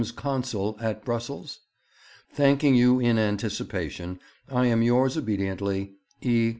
's Consul at Brussels? 'Thanking you in anticipation, I am yours obediently, 'E.